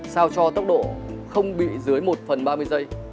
sao cho tốc độ không bị dưới một phần ba mươi giây